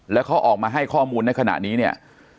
แล้วเขาออกมาให้ข้อมูลในขณะนี้เนี่ย